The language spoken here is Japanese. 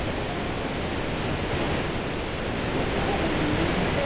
うめえ。